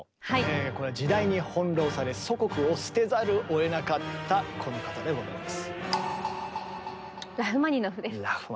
これは時代に翻弄され祖国を捨てざるをえなかったこの方でございます。